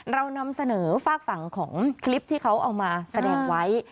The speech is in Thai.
เรานำเสนอฝากฝั่งของคลิปที่เขาเอามาแสดงไว้